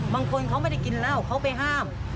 บางคนเขาไม่ได้กินเหล้าเขาไปห้าม